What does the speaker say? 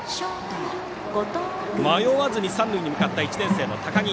迷わずに三塁に向かった１年生の高木。